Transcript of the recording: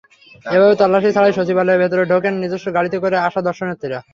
এভাবে তল্লাশি ছাড়াই সচিবালয়ের ভেতরে ঢোকেন নিজস্ব গাড়িতে করে আসা দর্শনার্থীরা।